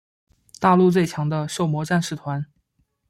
大陆最强的狩魔战士团。